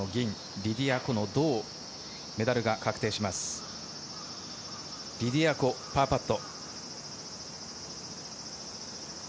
リディア・コ、パーパット。